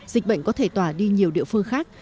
dịch bệnh có thể tỏa đi nhiều địa phương khác